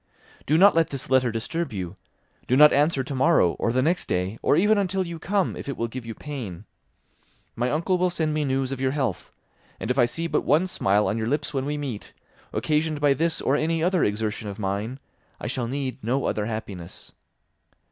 "Do not let this letter disturb you; do not answer tomorrow, or the next day, or even until you come, if it will give you pain. My uncle will send me news of your health, and if I see but one smile on your lips when we meet, occasioned by this or any other exertion of mine, I shall need no other happiness.